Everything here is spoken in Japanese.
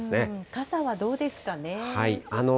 傘はどうですかね？